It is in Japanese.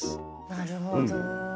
なるほど。